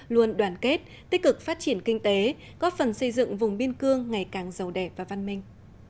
luôn đoàn kết tích cực phát triển kinh tế góp phần xây dựng vùng biên cương ngày càng giàu đẹp và văn minh